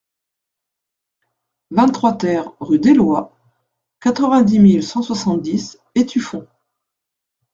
vingt-trois TER rue d'Éloie, quatre-vingt-dix mille cent soixante-dix Étueffont